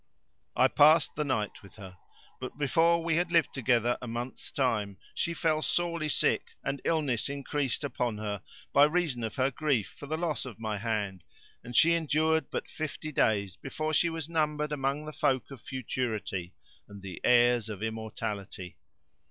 I passed the night with her. But before we had lived together a month's time she fell sorely sick and illness increased upon her, by reason of her grief for the loss of my hand, and she endured but fifty days before she was numbered among the folk of futurity and heirs of immortality.